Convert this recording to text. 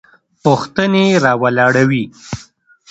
پوښتنې راولاړوي.